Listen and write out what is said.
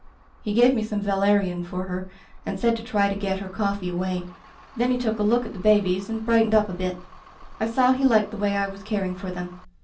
"He gave me some valerian for her and said to try to get her coffee away. Then he took a look at the babies and brightened up a bit. I saw he liked the way I was caring for them.